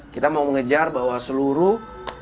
kita mau mengejar bahwa seluruh